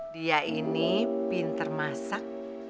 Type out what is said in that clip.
dia ini pinter masak